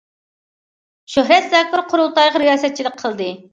شۆھرەت زاكىر قۇرۇلتايغا رىياسەتچىلىك قىلدى.